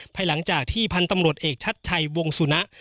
ภายหลังจากที่พันธ์ตำรวจเอกชัดชัยวงสุนะ